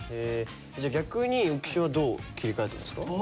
じゃあ逆に浮所はどう切り替えてますか？